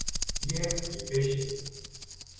Hier ils pêchaient.